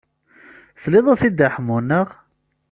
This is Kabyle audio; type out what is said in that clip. Tesliḍ-as i Dda Ḥemmu, naɣ?